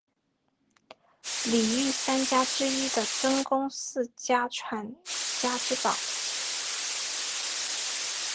里御三家之一的真宫寺家传家之宝。